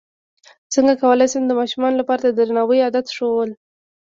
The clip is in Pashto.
څنګه کولی شم د ماشومانو لپاره د درناوي عادت ښوول